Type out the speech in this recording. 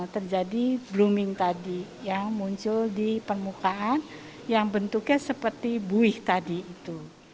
terjadi blooming tadi yang muncul di permukaan yang bentuknya seperti buih tadi itu